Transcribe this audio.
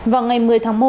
vào ngày một mươi tháng một